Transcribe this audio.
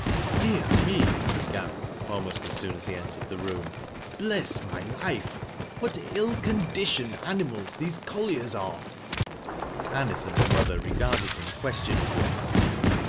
" Dear me !" he began, almost as soon as he entered the room. " Bless my life ! what ill conditioned aniinali these colliers are !" Anice and her mother regarded him qnestionably.